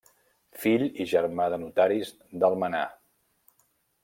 Fill i germà de notaris d'Almenar.